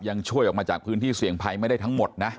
ยังช่วยออกมาจากพื้นที่เสี่ยงภัยไม่ได้ทั้งหมดนะ